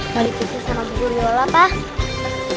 balik ke rumah sama bu guriola pak